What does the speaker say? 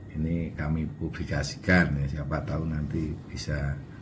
ini kami publikasikan siapa tahu nanti bisa